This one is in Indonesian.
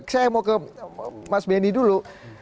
saya mau ke mas benny dulu